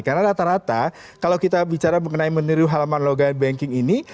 karena rata rata kalau kita bicara mengenai meniru halaman login banking ini